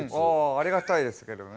ありがたいですけどね。